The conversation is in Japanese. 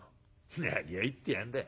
「何を言ってやんだい。